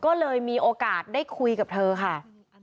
ก็เลยมีโอกาสได้คุยกับเธอค่ะ